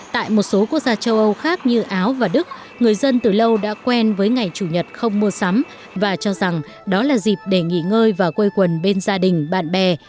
tại một số quốc gia châu âu khác như áo và đức người dân từ lâu đã quen với ngày chủ nhật không mua sắm và cho rằng đó là dịp để nghỉ ngơi và quây quần bên gia đình bạn bè